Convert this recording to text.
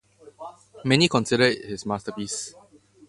Many consider it his masterpiece.